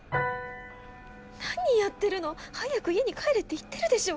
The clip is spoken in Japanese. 何やってるの。早く家に帰れって言ってるでしょ。